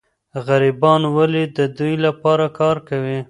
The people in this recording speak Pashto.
غریبان ولي د دوی لپاره کار کوي؟